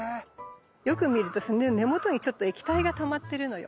よく見るとその根元にちょっと液体がたまってるのよ。